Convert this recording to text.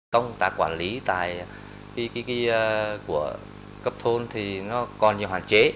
công tác quản lý của cấp thôn thì nó còn nhiều hoàn chế